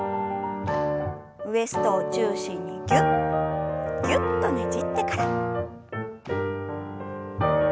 ウエストを中心にギュッギュッとねじってから。